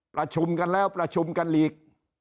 ประชุมกันแล้วประชุมกันอีก